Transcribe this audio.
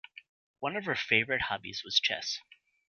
One of her favorite hobbies was chess.